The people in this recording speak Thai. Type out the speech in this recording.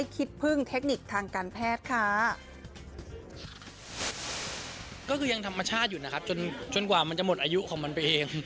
ก็คือยังธรรมชาติอยู่นะครับจนจนกว่ามันจะหมดอายุของมันไปเอง